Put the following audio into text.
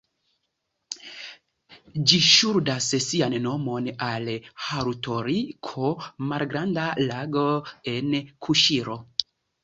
Ĝi ŝuldas sian nomon al "Harutori-ko", malgranda lago en Kuŝiro.